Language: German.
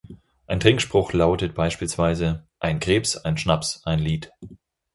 Ein Trinkspruch lautet beispielsweise: "„Ein Krebs, ein Schnaps, ein Lied“.